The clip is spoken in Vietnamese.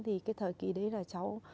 thì cái thời kì đấy là cháu